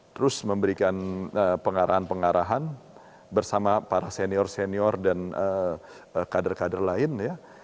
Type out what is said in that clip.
terus memberikan pengarahan pengarahan bersama para senior senior dan kader kader lain ya